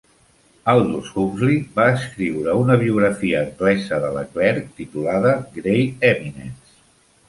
Aldous Huxley va escriure una biografia anglesa de Leclerc titulada "Grey Eminence".